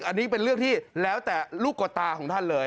อันนี้เป็นเรื่องที่แล้วแต่ลูกกว่าตาของท่านเลย